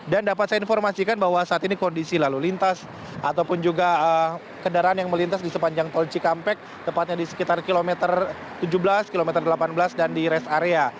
dan dapat saya informasikan bahwa saat ini kondisi lalu lintas ataupun juga kendaraan yang melintas di sepanjang tol cikampek tepatnya di sekitar kilometer tujuh belas kilometer delapan belas dan di rest area